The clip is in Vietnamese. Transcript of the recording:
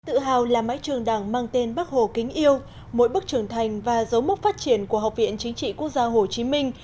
tự hào là mái trường đảng mang tên bác hồ kính yêu mỗi bước trưởng thành và dấu mốc phát triển của học viện chính trị quốc gia hồ chí minh